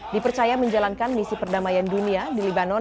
dipercaya menjalankan misi perdamaian dunia di libanon